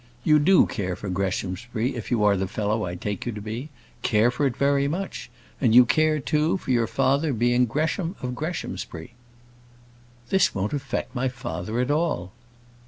You do care for Greshamsbury if you are the fellow I take you to be: care for it very much; and you care too for your father being Gresham of Greshamsbury." "This won't affect my father at all."